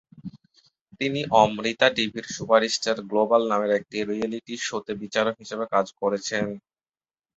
তিনি অমৃতা টিভির superstar global নামের একটি রিয়েলিটি শোতে বিচারক হিসেবে কাজ করেছেন।